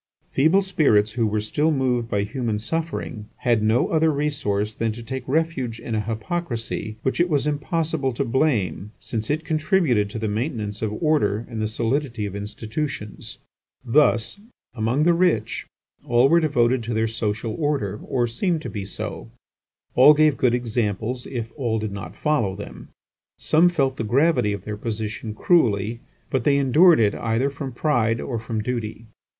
Feeble spirits who were still moved by human suffering had no other resource than to take refuge in a hypocrisy which it was impossible to blame, since it contributed to the maintenance of order and the solidity of institutions. Thus, among the rich, all were devoted to their social order, or seemed to be so; all gave good examples, if all did not follow them. Some felt the gravity of their position cruelly; but they endured it either from pride or from duty.